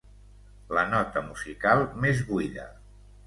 La nota musical més buida.